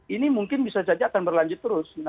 ini mungkin bisa jadi akan berlanjut terus